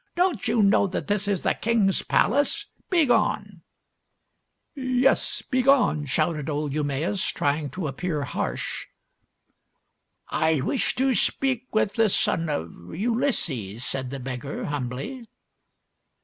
" Don't you know that this is the king's palace ? Begone !"" Yes, begone !" shouted old Eumaeus, trying to appear harsh. " I wish to speak with the son of Ulysses," said the beggar, humbly.